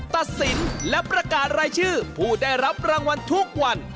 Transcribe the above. ตัดสินและประกาศรายชื่อผู้ได้รับรางวัลทุกวัน